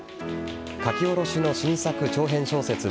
書き下ろしの新作長編小説は